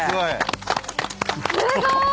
すごい。